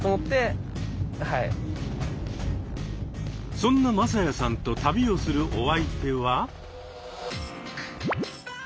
そんな匡哉さんと旅をするお相手は。